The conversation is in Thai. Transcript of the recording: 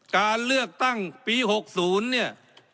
การเลือกตั้งปี๖๐เนี่ย